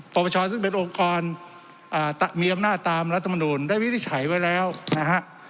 ประประชาซึ่งเป็นองค์กรมีอำนาจตามรัฐมนุนได้วิทย์ไฉไว้แล้วนะฮะ